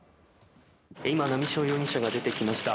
今、波汐容疑者が出てきました。